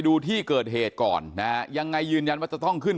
ดูที่เกิดเหตุก่อนนะฮะยังไงยืนยันว่าจะต้องขึ้น